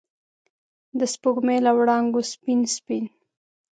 د سپوږمۍ له وړانګو سپین، سپین